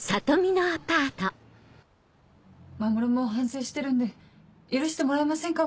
守も反省してるんで許してもらえませんか？